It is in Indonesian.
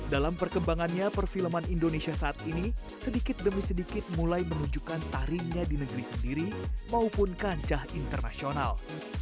dalam perkembangannya perfilman indonesia saat ini sedikit demi sedikit mulai menunjukkan tarinya di negeri sendiri maupun kancah internasional